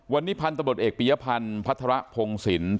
วันนี้พันธบทเอกปียพันธ์พัฒระพงศิลป์